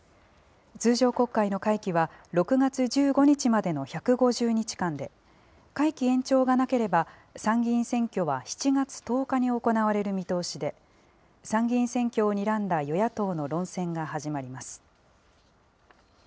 通常国会の会期は、６月１５日までの１５０日間で、会期延長がなければ、参議院選挙は７月１０日に行われる見通しで、参議院選挙をにらんだ与野党の論戦が始まります。